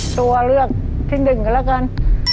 ตัวเลือกที่๑กันแล้วกัน